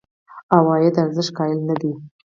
عوایدو ارزښت قایل نه دي.